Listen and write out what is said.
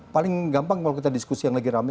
paling gampang kalau kita diskusi yang lagi rame